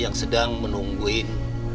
yang sedang menungguin